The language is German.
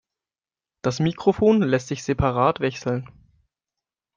Das Mikrofon lässt sich separat wechseln.